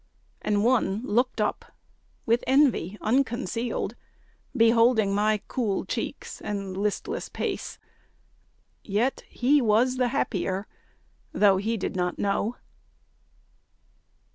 And one looked up, with envy unconcealed, Beholding my cool cheeks and listless pace, Yet he was happier, though he did not know.